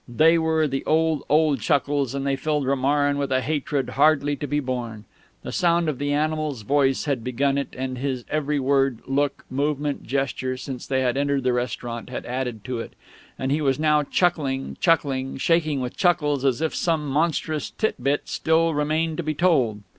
They were the old, old chuckles, and they filled Romarin with a hatred hardly to be borne. The sound of the animal's voice had begun it, and his every word, look, movement, gesture, since they had entered the restaurant, had added to it. And he was now chuckling, chuckling, shaking with chuckles, as if some monstrous tit bit still remained to be told.